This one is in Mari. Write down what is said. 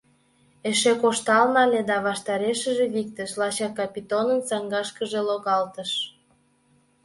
Эше коштал нале да ваштарешыже виктыш, лачак Капитонын саҥгашкыже логалтыш.